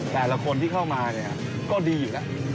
แต่ละคนที่เข้ามาเนี่ยก็ดีอยู่แล้ว